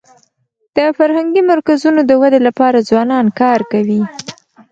د فرهنګي مرکزونو د ودي لپاره ځوانان کار کوي.